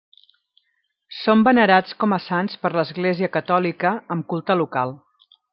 Són venerats com a sants per l'Església Catòlica, amb culte local.